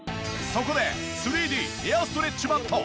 そこで３Ｄエアストレッチマット！